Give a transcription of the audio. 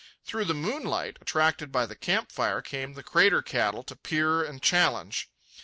Through the moonlight, attracted by the camp fire, came the crater cattle to peer and challenge.